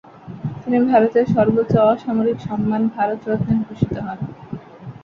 তিনি ভারতের সর্বোচ্চ অসামরিক সম্মান ভারতরত্নে ভূষিত হন।